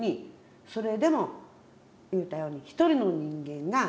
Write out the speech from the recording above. それでも言うたように一人の人間が生きるんやねん。